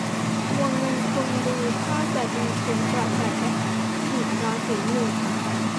ดวงเงินคุณดูท่าจะดีสวนกระแสอีกราศีหนึ่ง